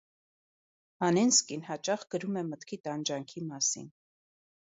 Անենսկին հաճախ գրում է մտքի տանջանքի մասին։